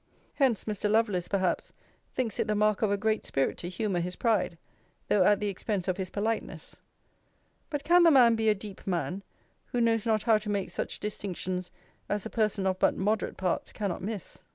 Hence Mr. Lovelace, perhaps, thinks it the mark of a great spirit to humour his pride, though at the expense of his politeness: but can the man be a deep man, who knows not how to make such distinctions as a person of but moderate parts cannot miss?